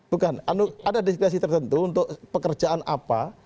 bukan ada diskresi tertentu untuk pekerjaan apa